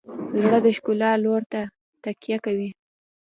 زړه د ښکلا لور ته تکیه کوي.